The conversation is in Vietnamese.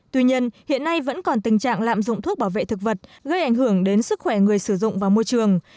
tuy nhiên hiện nay vẫn còn tình trạng lạm dụng thuốc bảo vệ thực vật gây ảnh hưởng đến sức khỏe người sử dụng và môi trường